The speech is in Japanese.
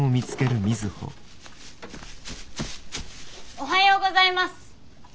おはようございます！